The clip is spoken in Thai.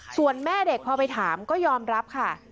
ส่วนแม่เด็กพอไปถามก็ยอมรับค่ะ